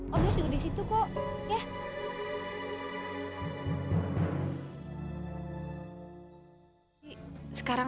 om yos juga di situ kok ya